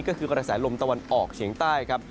ก็คือกระแสลมตะวันออกเฉียงใต้ครับ